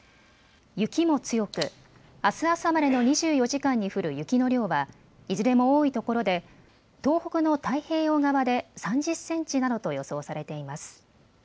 雪も強く、あす朝までの２４時間に降る雪の量はいずれも多いところで東北の太平洋側で３０センチなどと予想されています。